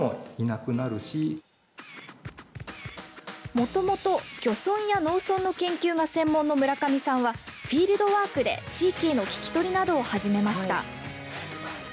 もともと漁村や農村の研究が専門の村上さんはフィールドワークで地域への聞き取りなどを始めました。